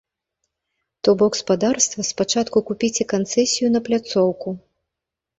То бок, спадарства, спачатку купіце канцэсію на пляцоўку.